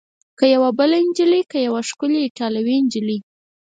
که یوه بله نجلۍ؟ که یوه ښکلې ایټالوۍ نجلۍ؟